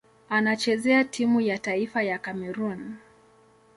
Anachezea timu ya taifa ya Kamerun.